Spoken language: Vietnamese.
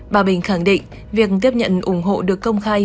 bà bình khẳng định việc tiếp nhận ủng hộ được công khai